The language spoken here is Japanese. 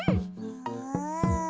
うん。